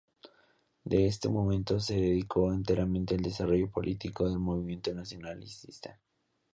Desde ese momento se dedicó enteramente al desarrollo político del Movimiento Nacionalsocialista.